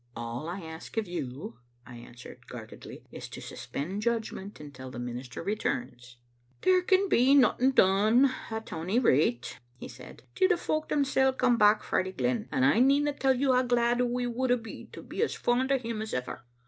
" All I ask of you," I answered guardedly, " is to sus pend judgment until the minister returns." "There can be nothing done, at ony rate," he said, " till the folk themsel's come back frae the glen ; and I needna tell you how glad we would a' be to be as fond o' him as ever.